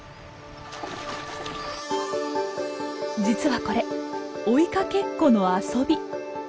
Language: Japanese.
実はこれ追いかけっこの「遊び」。